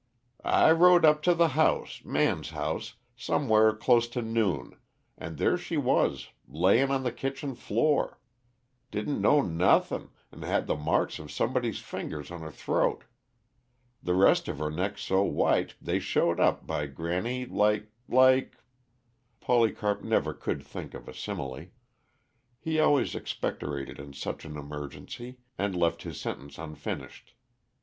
"I rode up to the house Man's house somewhere close to noon, an' there she was, layin' on the kitchen floor. Didn't know nothin', an' had the marks of somebody's fingers on 'er throat; the rest of her neck's so white they showed up, by granny, like like " Polycarp never could think of a simile. He always expectorated in such an emergency, and left his sentence unfinished.